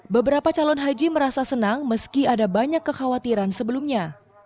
beberapa calon haji merasa senang meski ada banyak kekhawatiran sebelumnya